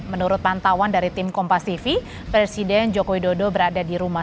menurut pantauan dari tim kompas tv presiden joko widodo berada di rumah